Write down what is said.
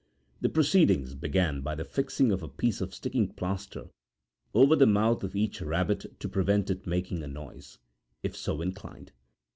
The proceedings began by the fixing of a piece of sticking plaster over the mouth of each rabbit to prevent it making a noise, if so inclined.